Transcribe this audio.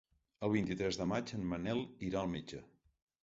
El vint-i-tres de maig en Manel irà al metge.